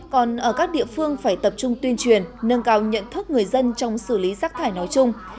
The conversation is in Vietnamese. còn ở các địa phương phải tập trung tuyên truyền nâng cao nhận thức người dân trong xử lý rác thải nói chung